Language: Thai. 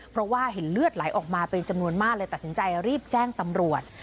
เพราะว่าเห็นเลือดไหลออกมาเป็นจำนวนมากเลยตัดสินใจรีบแจ้งตำรวจ